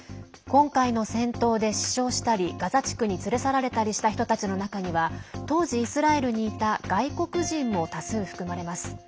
今回の戦闘で死傷したりガザ地区に連れ去られたりした人たちの中には、当時イスラエルにいた外国人も多数含まれます。